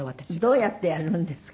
どうやってやるんですか？